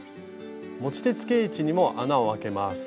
持ち手つけ位置にも穴をあけます。